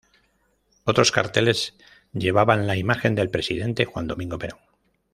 Otros carteles llevaban la imagen del Presidente Juan Domingo Perón.